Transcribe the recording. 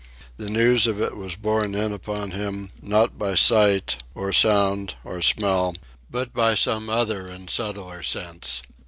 The news of it was borne in upon him, not by sight, or sound, or smell, but by some other and subtler sense.